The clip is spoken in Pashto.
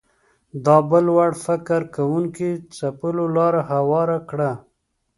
دا بل وړ فکر کوونکو ځپلو لاره هواره کړه